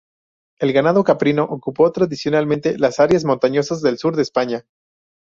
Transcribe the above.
El ganado caprino ocupó tradicionalmente las áreas montañosas del sur de España.